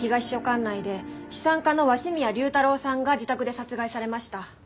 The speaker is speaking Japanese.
管内で資産家の鷲宮竜太郎さんが自宅で殺害されました。